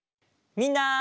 みんな。